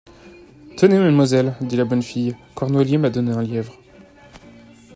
Tenez, mademoiselle, dit la bonne fille, Cornoiller m’a donné un lièvre.